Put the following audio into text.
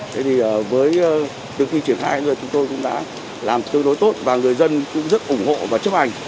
thế thì với từ khi triển khai rồi chúng tôi cũng đã làm tương đối tốt và người dân cũng rất ủng hộ và chấp hành